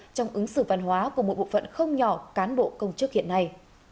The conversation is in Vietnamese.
trong ứng xử văn hóa của một bộ phận không nhỏ cán bộ công chức hiện nay